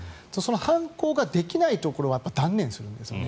犯行ができないところは断念するんですよね。